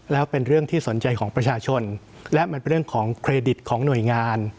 แล้วเป็นเรื่องที่สนใจของประชาชนและมันเป็นเรื่องของเครดิตของหน่วยงาน